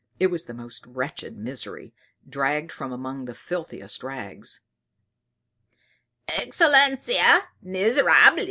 It was the most wretched misery, dragged from among the filthiest rags. "Excellenza, miserabili!"